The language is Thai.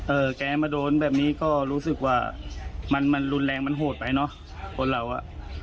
แกมาโดนแบบนี้ก็รู้สึกว่ามันมันรุนแรงมันโหดไปเนอะคนเราอ่ะ